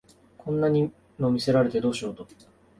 こんなの見せられてどうしろと